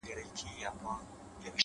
لکه د خپلې مينې «يا» چي څوگ په زړه وچيچي”